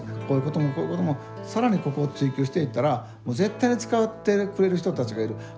こういうこともこういうことも更にここを追求していったら絶対に使ってくれる人たちがいる。